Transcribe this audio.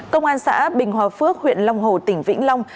công an xã bình hòa phước huyện long hồ tỉnh vĩnh long